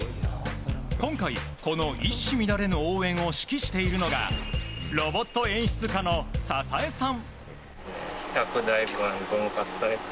今回、この一糸乱れぬ応援を指揮しているのがロボット演出家の笹江さん。